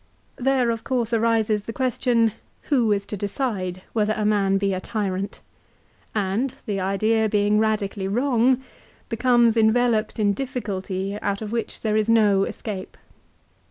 There of course arises the question who is to decide whether a man be a tyrant, and, the idea being radically wrong, becomes enveloped in difficulty out of which there is no escape.